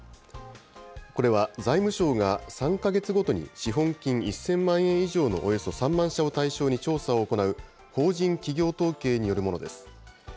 これは財務省が３か月ごとに資本金１０００万円以上のおよそ３万社を対象に調査を行う、法人企業統計によるものです。